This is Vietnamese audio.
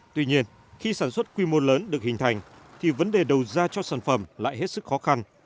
tuy nhiên khi sản xuất quy mô lớn được hình thành thì vấn đề đầu ra cho sản phẩm lại hết sức khó khăn